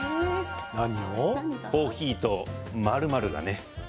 コーヒーと○○がね。